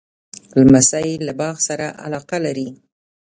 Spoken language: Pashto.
لمسی له باغ سره علاقه لري.